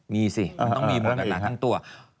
มีสิมันต้องมีหมดหลายทั้งตัว